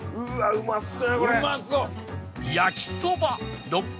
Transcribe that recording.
うまそう！